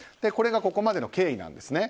これがここまでの経緯です。